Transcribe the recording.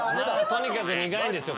とにかく苦いんですよ。